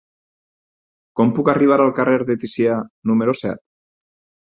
Com puc arribar al carrer de Ticià número set?